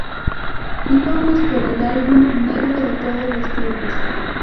Íbamos por el álbum negro de todos los tiempos.".